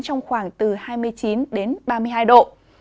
trong khoảng từ hai mươi chín đến ba mươi hai độ